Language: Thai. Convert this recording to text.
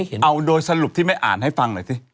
เอาโดยสรุปที่ไม่อ่านให้ฟังหน่อยสิ